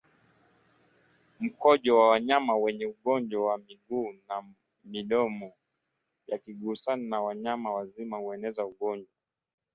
Mkojo wa wanyama wenye ugonjwa wa miguu na midomo yakigusana na wanyama wazima hueneza ugonjwa